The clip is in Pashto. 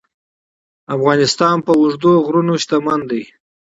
افغانستان په اوږده غرونه غني دی.